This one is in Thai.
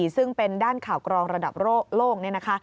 ซึ่งเป็นด้านข่าวกรองระดับโลก